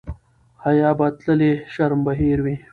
حیا به تللې شرم به هېر وي.